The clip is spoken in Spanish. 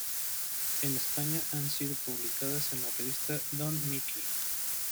En España han sido publicadas en la revista Don Miki.